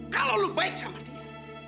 kalau lo baik sama dia